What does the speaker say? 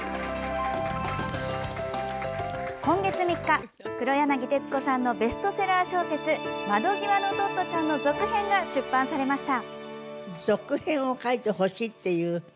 今月３日、黒柳徹子さんのベストセラー小説「窓ぎわのトットちゃん」の続編が出版されました。